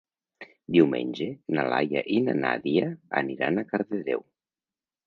Diumenge na Laia i na Nàdia aniran a Cardedeu.